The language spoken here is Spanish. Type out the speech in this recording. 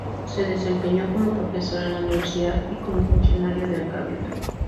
Se desempeñó como profesor en la Universidad y como funcionario del cabildo.